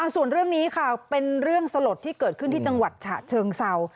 ส่วนเรื่องนี้ค่ะเป็นเรื่องสลดที่เกิดขึ้นที่จังหวัดฉะเชิงเศร้า